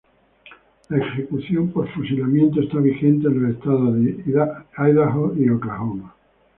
La ejecución por fusilamiento está vigente en los estados de Idaho y Oklahoma.